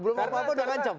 belum apa apa udah ngancam